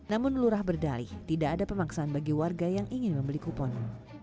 namun lurah berdalih tidak ada pemaksaan bagi warga yang ingin membeli kupon